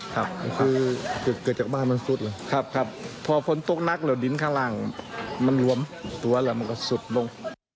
ครับพอฝนตกหนักแล้วดินข้างหลังมันรวมตัวแล้วมันก็สุดลง